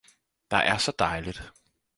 Der er så dejligt